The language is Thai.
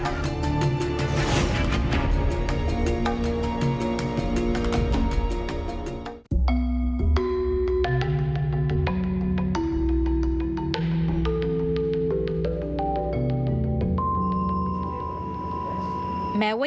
แม้ว่าอย่างนี้